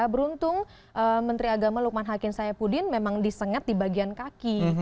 beruntung menteri agama lukman hakim saipudin memang disengat di bagian kaki